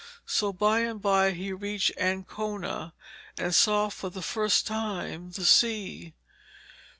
So by and by he reached Ancona and saw for the first time the sea.